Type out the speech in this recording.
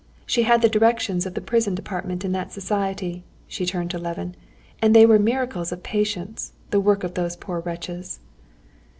She had the direction of the prison department in that society," she turned to Levin; "and they were miracles of patience, the work of those poor wretches."